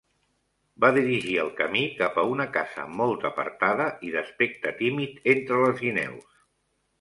Va dirigir el camí cap a una casa molt apartada i d'aspecte tímid entre les guineus.